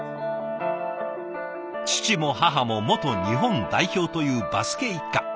父も母も元日本代表というバスケ一家。